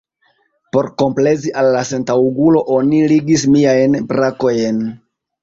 Por komplezi al la sentaŭgulo, oni ligis miajn brakojn.